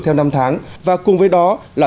theo năm tháng và cùng với đó là